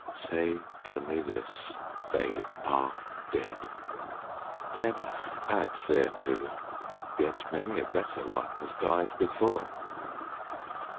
Say only this, " They are dead." Then add thereto, " Yet many a better one has died before."